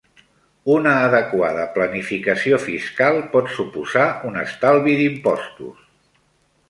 Una adequada planificació fiscal pot suposar un estalvi d'impostos.